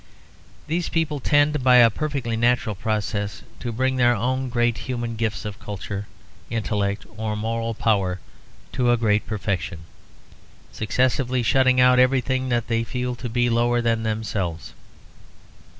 These people tend, by a perfectly natural process, to bring their own great human gifts of culture, intellect, or moral power to a great perfection, successively shutting out everything that they feel to be lower than themselves.